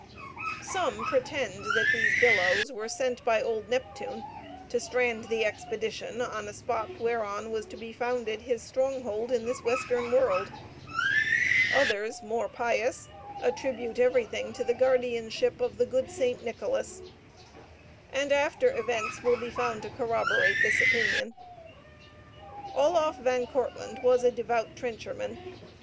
Some pretend that these billows were sent by old Neptune to strand the expedition on a spot whereon was to be founded his stronghold in this western world; others, more pious, attribute everything to the guardianship of the good St. Nicholas; and after events will be found to corroborate this opinion. Oloffe Van Kortlandt was a devout trencherman.